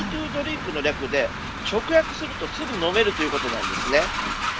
ＲｅｄｙＴｏＤｒｉｎｋの略で直訳するとすぐ飲めるということです。